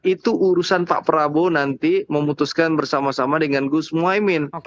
itu urusan pak prabowo nanti memutuskan bersama sama dengan gus muhaymin